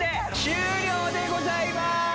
終了でございます。